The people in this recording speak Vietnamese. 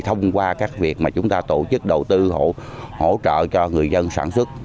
thông qua các việc mà chúng ta tổ chức đầu tư hỗ trợ cho người dân sản xuất